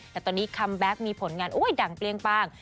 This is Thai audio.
แต่ตอนนี้คัมแบ็คมีผลงานดังเปรี้ยงป้าง